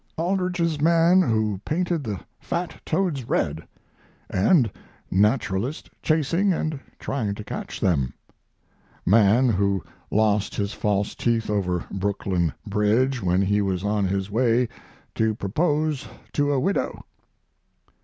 Aldrich's man who painted the fat toads red, and naturalist chasing and trying to catch them. Man who lost his false teeth over Brooklyn Bridge when he was on his way to propose to a widow.